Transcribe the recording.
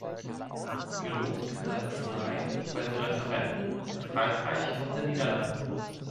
Gelobt sei das Nein bei den Referenden in Frankreich und den Niederlanden!